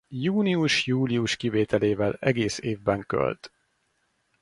Június-július kivételével egész évben költ.